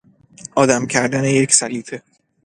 آدم کردن یک سلیطه